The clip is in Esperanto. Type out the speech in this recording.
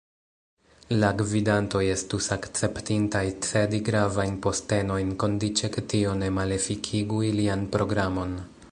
La gvidantoj estus akceptintaj cedi gravajn postenojn, kondiĉe ke tio ne malefikigu ilian programon.